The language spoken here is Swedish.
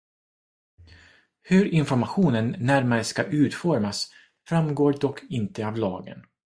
Hur informationen närmare ska utformas framgår dock inte av lagen.